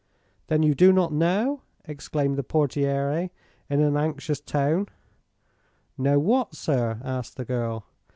"Then you do not know?" exclaimed the portiere, in an anxious tone. "Know what, sir?" asked the girl.